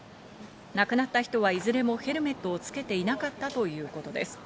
亡くなった人はいずれもヘルメットを着けていなかったということです。